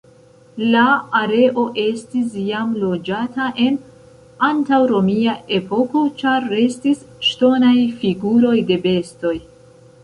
La areo estis jam loĝata en antaŭromia epoko, ĉar restis ŝtonaj figuroj de bestoj.